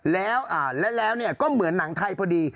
แล้วแล้วก็เหมือนหนังไทยพอดี